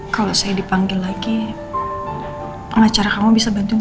kalau saya dipanggil lagi pengacara kamu bisa bantu